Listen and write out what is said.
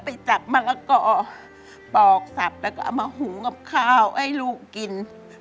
จับมะละกอปอกสับแล้วก็เอามาหุงกับข้าวให้ลูกกิน